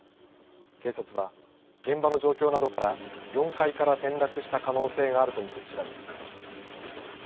警察は現場の状況などから４階から転落した可能性があると見て調べています。